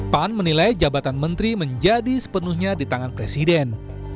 pan menilai jabatan menteri menjadi sepenuhnya di tangan presiden